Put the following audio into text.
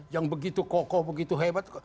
yang begitu kokoh begitu hebat